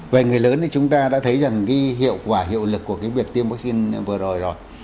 về người lớn thì chúng ta đã thấy rằng cái hiệu quả hiệu lực của cái việc tiêm vaccine vừa rồi rồi